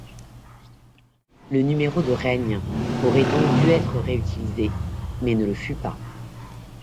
Le numéro de règne aurait donc dû être réutilisé, mais ne le fut pas.